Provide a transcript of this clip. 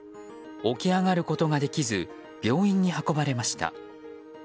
起き上がることができず病院に運ばれました。